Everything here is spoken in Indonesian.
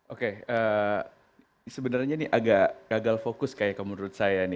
oke sebenarnya ini agak gagal fokus kayak kamu menurut saya nih